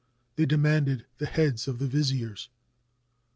They demanded the heads of the viziers.